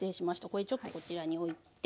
これちょっとこちらに置いて。